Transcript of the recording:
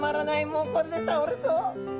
もうこれで倒れそう。